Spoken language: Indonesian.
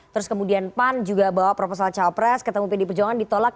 terus kemudian pan juga bawa proposal cawapres ketemu pd perjuangan ditolak